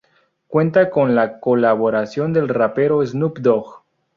Cuenta con la colaboración del rapero Snoop Dogg.